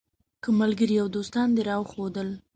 که ملګري او دوستان دې راوښودل.